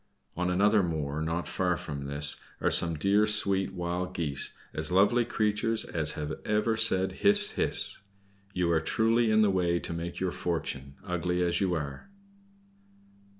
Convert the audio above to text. On another moor, not far from this, are some dear, sweet Wild Geese, as lovely creatures as have ever said 'Hiss, hiss.' You are truly in the way to make your fortune, ugly as you are."